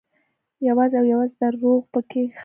یوازې او یوازې درواغ په کې خرڅېږي.